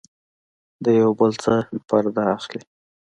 د يو بل څخه پرده اخلي